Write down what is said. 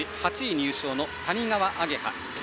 入賞の谷川亜華葉。